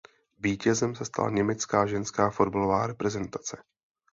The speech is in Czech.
Vítězem se stala německá ženská fotbalová reprezentace.